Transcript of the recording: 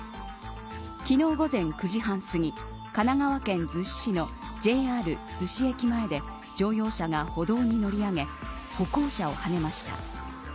昨日、午前９時半すぎ神奈川県逗子市のＪＲ逗子駅前で乗用車が歩道に乗り上げ歩行者をはねました。